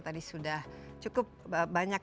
tadi sudah cukup banyak